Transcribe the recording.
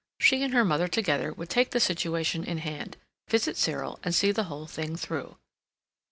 She and her mother together would take the situation in hand, visit Cyril, and see the whole thing through.